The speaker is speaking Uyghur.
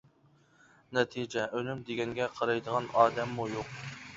نەتىجە، ئۈنۈم دېگەنگە قارايدىغان ئادەممۇ يوق.